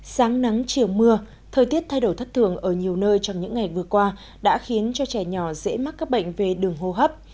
sáng nắng chiều mưa thời tiết thay đổi thất thường ở nhiều nơi trong những ngày vừa qua đã khiến cho trẻ nhỏ dễ mắc các bệnh về đường hô hấp